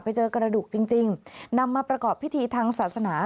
ไปเจอกระดูกจริงนำมาประกอบพิธีทางศาสนา